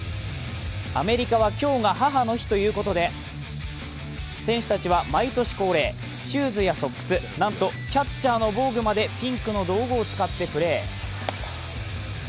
アメリカは今日が母の日ということで選手たちは毎年恒例、シューズやソックス、なんとキャッチャーの防具までピンクの道具を使ってプレー。